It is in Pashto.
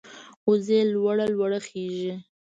وزې لوړه لوړه خېژي